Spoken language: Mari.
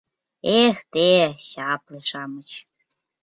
Эх, те, чапле-шамыч!